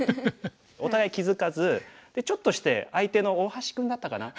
お互い気付かずでちょっとして相手の大橋君だったかな。